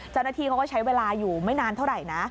เจ้าหน้าที่เขาก็ใช้เวลาอยู่ไม่นานเท่าไหร่นะ